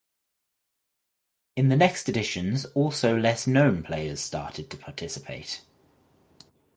In the next editions also less known players started to participate.